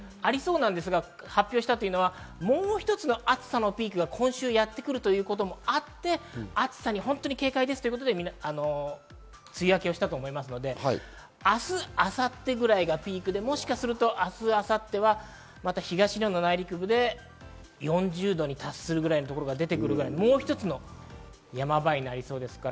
ですが、発表したというのはもう一つの暑さのピークが今週やってくるということもあって、暑さに警戒ですということで、梅雨明けをしたと思いますので、明日、明後日ぐらいがピークで、もしかすると明日、明後日は東日本の内陸部で４０度に達するぐらいのところが出てくる、もう一つの山場になりそうです。